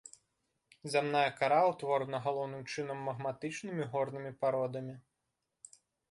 Зямная кара ўтворана галоўным чынам магматычнымі горнымі пародамі.